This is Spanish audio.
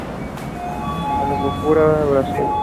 Alfaguara Brasil.